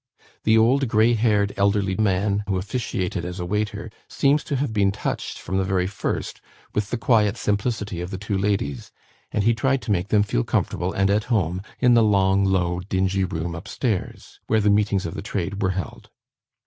The old "grey haired elderly man," who officiated as waiter seems to have been touched from the very first with the quiet simplicity of the two ladies, and he tried to make them feel comfortable and at home in the long, low, dingy room up stairs, where the meetings of the Trade were held.